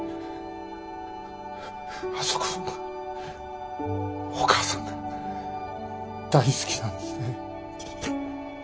篤人君お母さんが大好きなんですね。